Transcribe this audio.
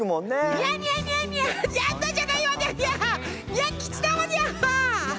にゃん吉だわにゃー！